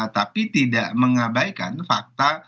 tapi tidak mengabaikan fakta